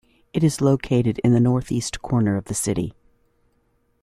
It is located in the northeast corner of the city.